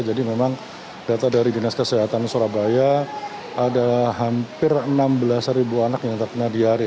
jadi memang data dari dinas kesehatan surabaya ada hampir enam belas anak yang terkena diare